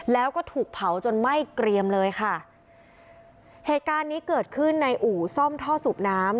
แล้วก็ถูกเผาจนไหม้เกรียมเลยค่ะเหตุการณ์นี้เกิดขึ้นในอู่ซ่อมท่อสูบน้ำ